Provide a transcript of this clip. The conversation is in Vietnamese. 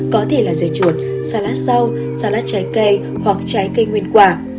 có thể là dây chuột salad rau salad trái cây hoặc trái cây nguyên quả